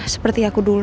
seperti aku dulu